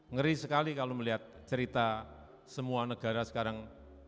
ngeri sekali kalau melihat cerita semua negara sekarang